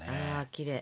きれい。